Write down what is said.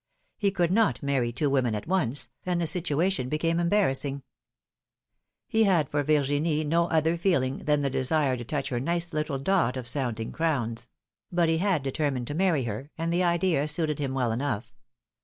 He could not marry two women at once, and the situation became embarrassing. He had for Virginie no other feeling than the desire to touch her nice little dot of sounding crowns — but he had determined to marry her, and the idea suited him well enough.